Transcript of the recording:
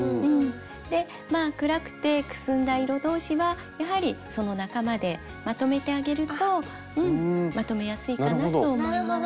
で暗くてくすんだ色同士はやはりその仲間でまとめてあげるとうんまとめやすいかなと思います。